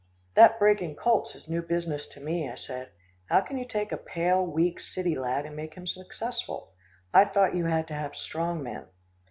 "That breaking colts is new business to me," I said. "How can you take a pale, weak, city lad and make him successful? I thought you had to have strong men."